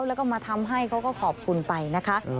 แล้วก็มาทำให้เขาก็ขอบคุณไปนะคะ